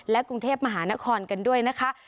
กรุงเทพมหานครกันด้วยนะคะ